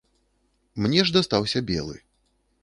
Мне ж дастаўся белы.